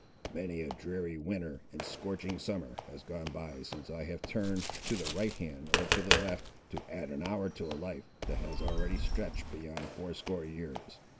Many a dreary winter and scorching summer has gone by since I have turned, to the right hand or to the left, to add an hour to a life that has already stretched beyond fourscore years.